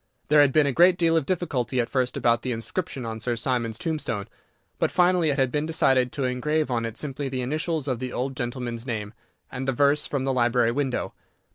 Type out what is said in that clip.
There had been a great deal of difficulty at first about the inscription on Sir Simon's tombstone, but finally it had been decided to engrave on it simply the initials of the old gentleman's name, and the verse from the library window.